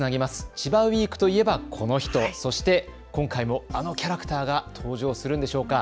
千葉ウイークといえばこの人、そして、今回もあのキャラクターが登場するんでしょうか。